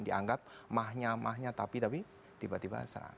dianggap mahnya mahnya tapi tiba tiba serangan